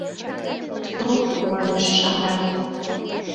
— Тпру! — манеш Шамрай.